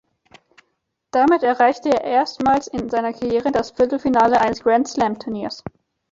Damit erreichte er erstmals in seiner Karriere das Viertelfinale eines Grand-Slam-Turniers.